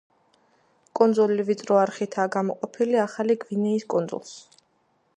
კუნძული ვიწრო არხითაა გამოყოფილი ახალი გვინეის კუნძულს.